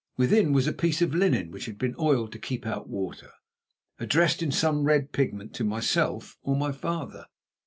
Within was a piece of linen which had been oiled to keep out water, addressed in some red pigment to myself or my father.